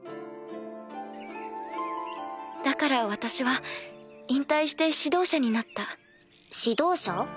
・だから私は引退して指導者になった・・指導者？